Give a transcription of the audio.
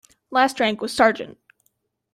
Last rank was sergeant.